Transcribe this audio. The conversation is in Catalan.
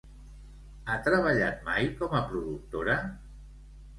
Ha treballat mai com a productora?